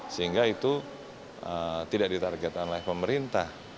sehingga itu tidak ditarget oleh pemerintah